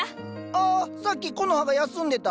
あっさっきコノハが休んでた。